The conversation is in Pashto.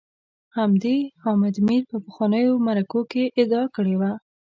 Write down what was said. همدې حامد میر په پخوانیو مرکو کي ادعا کړې وه